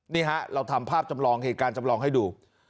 นี่ฮะเราทำภาพจำลองเหตุการณ์จำลองให้ดู